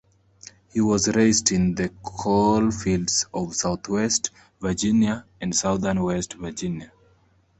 He was raised in the coal fields of southwest Virginia and southern West Virginia.